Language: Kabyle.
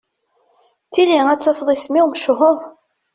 Tili ad tafeḍ isem-iw mechur.